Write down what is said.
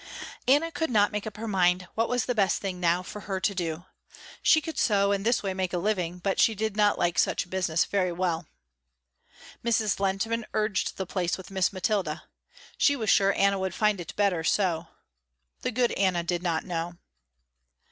Anna could not make up her mind what was the best thing now for her to do. She could sew and this way make a living, but she did not like such business very well. Mrs. Lehntman urged the place with Miss Mathilda. She was sure Anna would find it better so. The good Anna did not know.